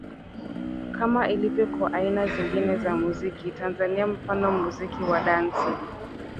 Kama ilivyo kwa aina zingine za muziki Tanzania mfano muziki wa dansi